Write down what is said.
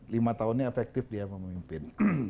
lima tahunnya efektif dia memimpin